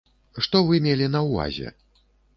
Што вы мелі на ўвазе?